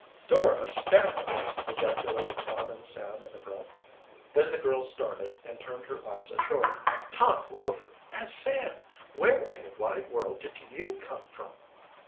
"Dora Stanhope!" ejaculated Tom and Sam in a breath. Then the girl started and turned her eyes ashore. "Tom Rover! And Sam! Where in the wide world did you come from?"